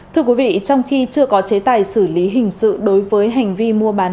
thưa quý vị trong khi chưa có chế tài xử lý hình sự đối với hành vi mua bán